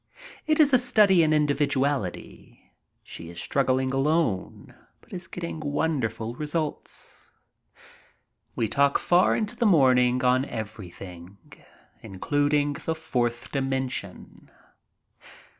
It is a study in individuality. She is struggling alone, but is getting wonderful results. We talk far into the morn ing on everything, including the fourth dimension.